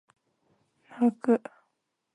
泣く